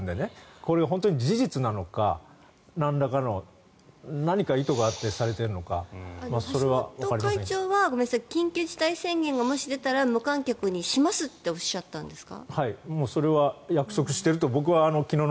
これ、事実なのかなんらかの何か意図があってされているのか橋本会長は緊急事態宣言がもし出たら無観客にしますとおっしゃったんですか？